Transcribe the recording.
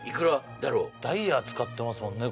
ダイヤ使ってますもんね